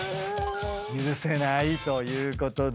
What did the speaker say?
許せないということで。